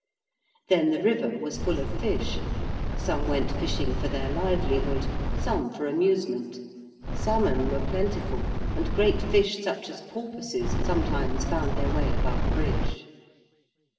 Then the river was full of fish: some went fishing for their livelihood: some for amusement: salmon were plentiful and great fish such as porpoises sometimes found their way above Bridge.